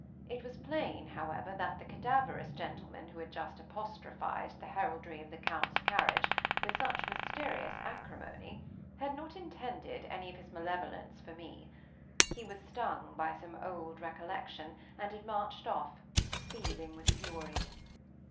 It was plain, however, that the cadaverous gentleman who had just apostrophized the heraldry of the Count's carriage, with such mysterious acrimony, had not intended any of his malevolence for me. He was stung by some old recollection, and had marched off, seething with fury.